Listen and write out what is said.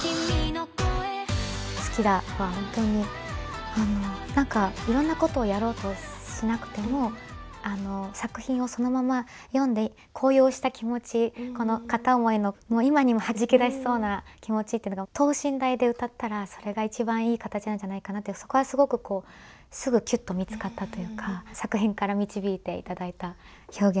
「好きだ」は本当に何かいろんなことをやろうとしなくても作品をそのまま読んで高揚した気持ち片思いのもう今にもはじけだしそうな気持ちっていうのが等身大で歌ったらそれが一番いい形なんじゃないかなってそこはすごくこうすぐキュッと見つかったというか作品から導いていただいた表現でした。